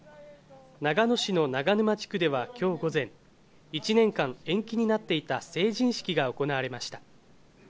長野市の長沼地区ではきょう午前、１年間延期になっていた成人式が行われました。